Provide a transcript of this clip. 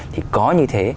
thì có như thế